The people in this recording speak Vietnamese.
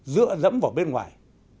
dựa dẫm vào bên ngoài